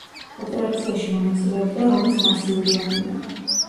ოპერაციაში მონაწილეობდა რომის მასიური არმია.